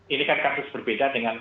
ini kan kasus berbeda dengan